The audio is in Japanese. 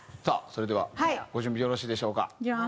さあそれではご準備よろしいでしょうか？